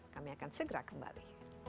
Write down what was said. kami akan segera kembali